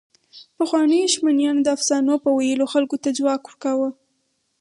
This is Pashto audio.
پخوانيو شمنیانو د افسانو په ویلو خلکو ته ځواک ورکاوه.